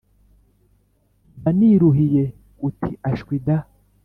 mba niruhiye uti ashwi da